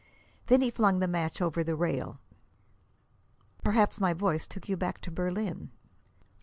Then he flung the match over the rail. "Perhaps my voice took you back to Berlin."